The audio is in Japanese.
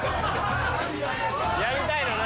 やりたいのね。